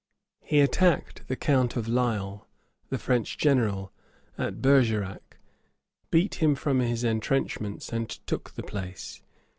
He attacked the count of Lisle, the French general, at Bergerac, beat him from his intrenchments, and took the place.